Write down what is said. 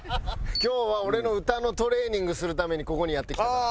今日は俺の歌のトレーニングするためにここにやって来たから。